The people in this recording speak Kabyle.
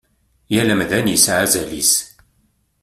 Yal amdan yesɛa azal-is.